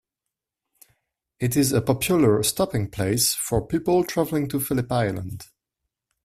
It is a popular stopping place for people travelling to Phillip Island.